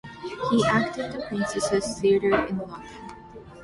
He acted at the Princess's Theatre in London.